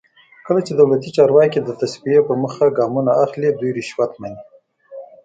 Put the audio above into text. کله چې دولتي چارواکي د تصفیې په موخه ګامونه اخلي دوی رشوت مني.